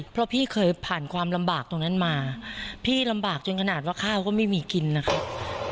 เพราะพี่เคยผ่านความลำบากตรงนั้นมาพี่ลำบากจนขนาดว่าข้าวก็ไม่มีกินนะครับ